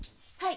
はい。